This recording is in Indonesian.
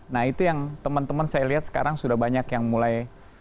nah itu yang teman teman saya lihat sekarang sudah banyak yang mulai